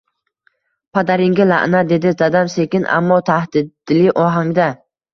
Padaringga la’nat! — dedi dadam sekin, ammo tahdidli ohangda.